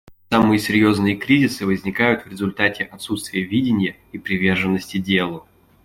Самые серьезные кризисы возникают в результате отсутствия видения и приверженности делу.